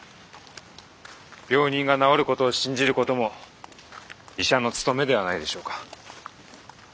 病人が治る事を信じる事も医者の務めではないでしょうか。